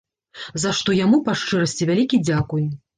За што яму, па шчырасці, вялікі дзякуй.